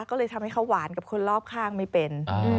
ก็เลยทำให้เขาหวานกับคนรอบข้างไม่เป็น